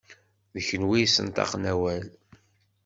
D kunwi i yessenṭaqen awal.